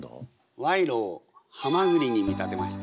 賄賂をはまぐりに見立てました。